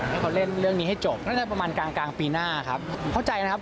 ให้เขาเล่นเรื่องนี้ให้จบตั้งแต่ประมาณกลางกลางปีหน้าครับเข้าใจนะครับ